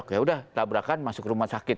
yaudah tabrakan masuk rumah sakit